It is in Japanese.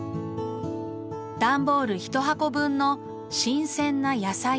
段ボール１箱分の新鮮な野菜やキノコ。